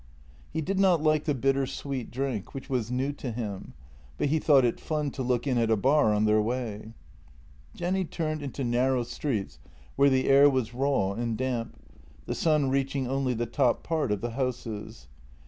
He did not like the bitter sweet drink, which was new to him, but he thought it fun to look in at a bar on their way. Jenny turned into narrow streets where the air was raw and damp, the sun reaching only the top part of the houses.